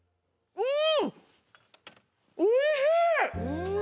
うん。